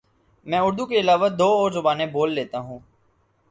میں اردو کے علاوہ دو اور زبانیں بول لیتا ہوں